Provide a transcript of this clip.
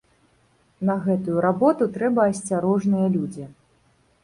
На гэтую работу трэба асцярожныя людзі.